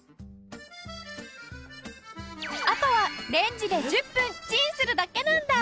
あとはレンジで１０分チンするだけなんだ。